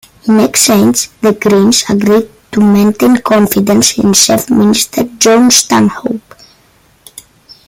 In exchange, the Greens agreed to maintain confidence in Chief Minister Jon Stanhope.